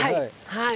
はい。